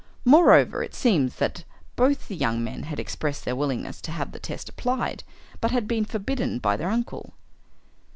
Moreover, it seemed that both the young men had expressed their willingness to have the test applied, but had been forbidden by their uncle.